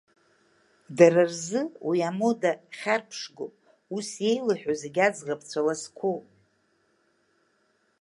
Дара рзы уи амода хьарԥшгоуп, ус еилаҳәоу зегьы аӡӷабцәа ласқәоуп.